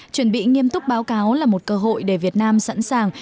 chuẩn bị nghiêm túc báo cáo là một cơ hội để việt nam sẵn sàng